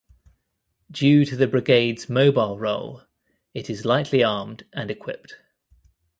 Due to the brigade's mobile role, it is lightly armed and equipped.